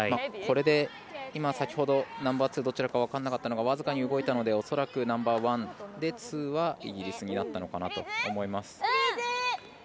これで、先ほどナンバーツーどちらか分からなかったのが僅かに動いたので恐らくナンバーワンでツーは、イギリスになったのかなと思います。